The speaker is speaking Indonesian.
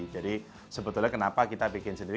jadi sebetulnya kenapa kita bikin sendiri